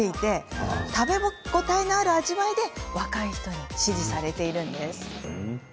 食べ応えのある味わいで若者に支持されています。